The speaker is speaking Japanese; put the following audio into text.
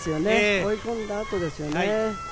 追い込んだ後ですよね。